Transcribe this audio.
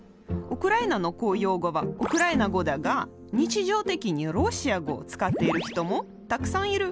ウクライナの公用語はウクライナ語だが日常的にロシア語を使っている人もたくさんいる。